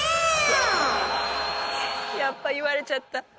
やっぱ言われちゃった。